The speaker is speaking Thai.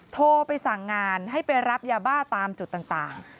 โทรไปสั่งงานให้ไปรับยาบ้าตามจุดต่าง